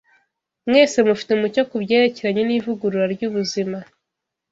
Mwese mufite umucyo ku byerekeranye n’ivugurura ry’ubuzima